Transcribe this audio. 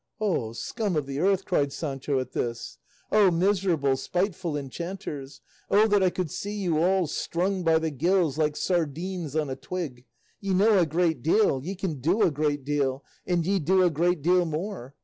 "O scum of the earth!" cried Sancho at this, "O miserable, spiteful enchanters! O that I could see you all strung by the gills, like sardines on a twig! Ye know a great deal, ye can do a great deal, and ye do a great deal more.